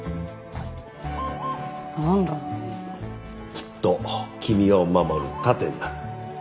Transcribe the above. きっと君を守る盾になる。